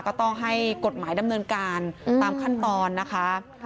ก็ต้องให้กฎหมายดำเนินการตามขั้นตอนนะคะ